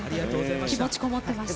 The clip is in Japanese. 気持ちこもってました。